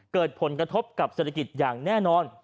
เกิดผลกระทบกับเศรษฐกิจอย่างแน่นอน